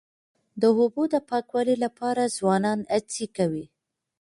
د اوبو د پاکوالي لپاره ځوانان هڅې کوي.